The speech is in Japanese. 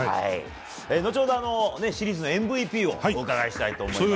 後ほど、シリーズのＭＶＰをお伺いしたいと思います。